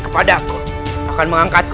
kepada aku akan mengangkatku